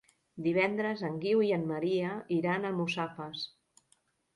Divendres en Guiu i en Maria iran a Almussafes.